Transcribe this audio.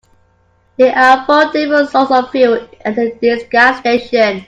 There are four different sorts of fuel at this gas station.